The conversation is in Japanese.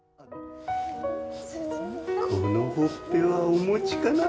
このほっぺはお餅かな？